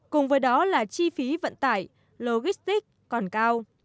cùng với đó là chi phí vận tải logistic còn cao